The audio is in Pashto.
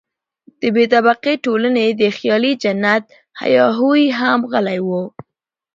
د بې طبقې ټولنې د خیالي جنت هیا هوی هم غلی وو.